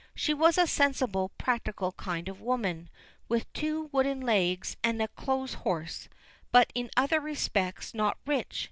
She was a sensible, practical kind of woman, with two wooden legs and a clothes horse; but in other respects not rich.